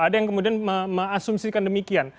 ada yang kemudian mengasumsikan demikian